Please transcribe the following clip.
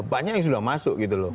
banyak yang sudah masuk